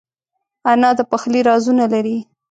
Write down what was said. انا د پخلي رازونه لري